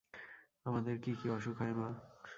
আমাদের কী কী অসুখ হয় মা?